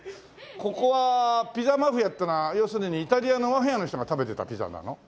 ここはピザマフィアってのは要するにイタリアのマフィアの人が食べてたピザなの？